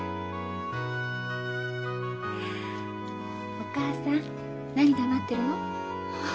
お母さん何黙ってるの？